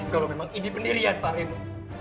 kalau memang ini pendirian pak heru